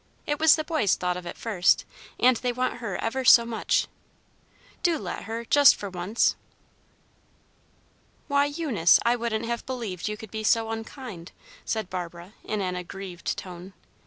It was the boys thought of it first, and they want her ever so much. Do let her, just for once." "Why, Eunice, I wouldn't have believed you could be so unkind!" said Barbara, in an aggrieved tone.